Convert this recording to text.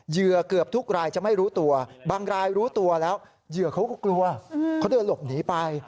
เหยื่อเกือบทุกรายจะไม่รู้ตัวบางรายรู้ตัวแล้วเหยื่อเขาก็กลัวเขาเดินหลบหนีไป